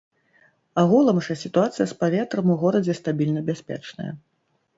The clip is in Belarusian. Агулам жа сітуацыя з паветрам у горадзе стабільна бяспечная.